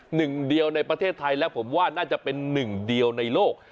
หนึ่งเดียวในประเทศไทยและผมว่าน่าจะเป็นหนึ่งเดียวในโลก